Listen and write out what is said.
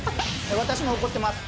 私も怒ってます。